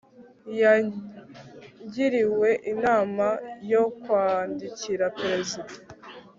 yagiriwe inama yo kwandikira perezida